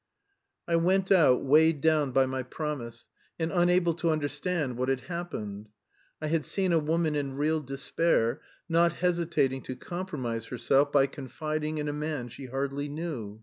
I went out weighed down by my promise, and unable to understand what had happened. I had seen a woman in real despair, not hesitating to compromise herself by confiding in a man she hardly knew.